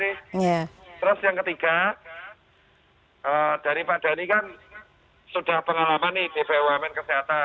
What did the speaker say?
terus yang ketiga dari pak denny kan sudah pengalaman nih di bwk